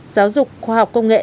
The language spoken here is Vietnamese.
giáo dục khoa học công nghệ